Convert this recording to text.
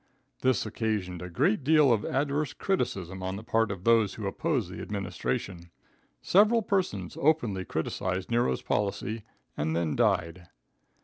This occasioned a great deal of adverse criticism on the part of those who opposed the administration. Several persons openly criticised Nero's policy and then died.